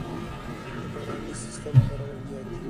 د باراني سیستم کارول زیاتېږي.